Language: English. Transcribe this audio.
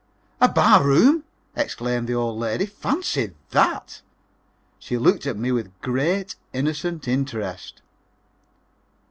"A barroom!" exclaimed the old lady. "Fancy that!" She looked at me with great, innocent interest.